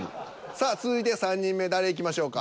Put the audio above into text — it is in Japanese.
さあ続いて３人目誰いきましょうか。